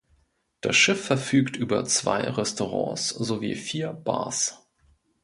Das Schiff verfügt über zwei Restaurants sowie vier Bars.